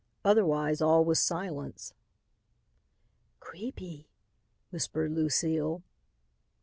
Otherwise all was silence. "Creepy," whispered Lucile.